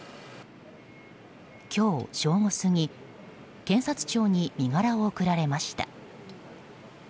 今日正午過ぎ検察庁に身柄を送られました。